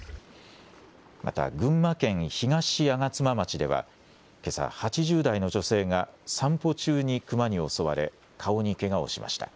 また、群馬県東吾妻町では、けさ、８０代の女性が散歩中にクマに襲われ、顔にけがをしました。